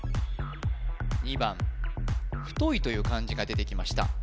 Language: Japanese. ２番「太い」という漢字が出てきました